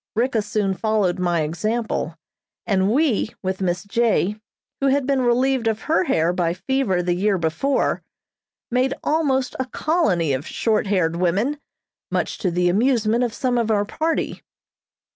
Ricka soon followed my example, and we, with Miss J., who had been relieved of her hair by fever the year before, made almost a colony of short haired women, much to the amusement of some of our party.